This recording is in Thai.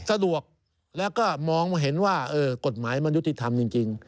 สะดวกแล้วก็มองเห็นว่ากฎหมายมันยุติธรรมจริง